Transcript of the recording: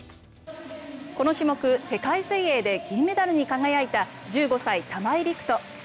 この種目、世界水泳で銀メダルに輝いた１５歳、玉井陸斗。